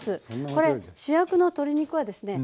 これ主役の鶏肉はですね